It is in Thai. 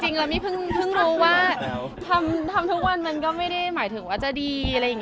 จริงแล้วไม่ถึงจบรู้ว่าทำทุกวันก็ไม่ได้หมายถึงว่าจะดี